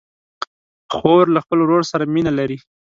خور له خپل ورور سره مینه لري.